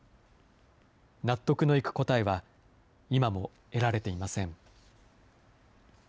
納得のいく答えは今も得られていません。